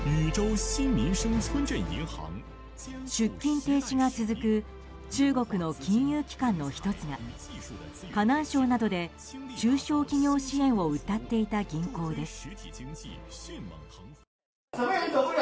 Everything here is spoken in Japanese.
出金停止が続く中国の金融機関の１つが河南省などで中小企業支援をうたっていた銀行です。